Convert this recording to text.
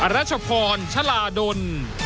รัชพรชลาดล